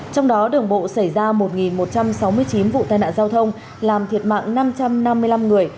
trong đó đường bộ xảy ra một một trăm sáu mươi chín vụ tai nạn giao thông làm thiệt mạng năm trăm năm mươi năm người